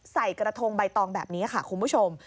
ใส่กระทงใบตองแบบนี้ค่ะคุณผู้ชม